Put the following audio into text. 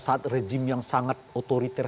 saat rejim yang sangat otoriter